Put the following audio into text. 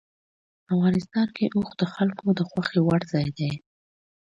افغانستان کې اوښ د خلکو د خوښې وړ ځای دی.